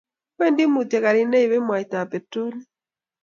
Wendi mutyo karit ne ibei mwaitab petrolit